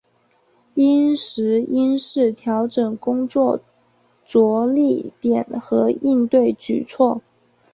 因时因势调整工作着力点和应对举措